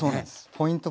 ポイント